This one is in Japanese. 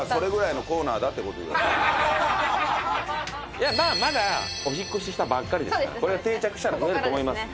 いやまあまだお引っ越ししたばっかりですからこれが定着したら増えると思います。